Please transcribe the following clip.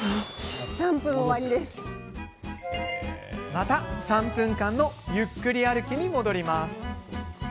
また、３分間のゆっくり歩きに戻ります。